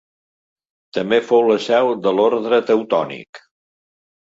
També fou la seu de l'Orde Teutònic.